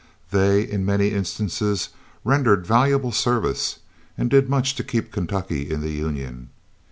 They in many instances rendered valuable services, and did much to keep Kentucky in the Union.